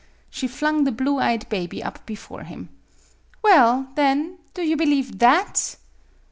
She flung the blue eyed baby up before him. " Well, then, do you believe that?"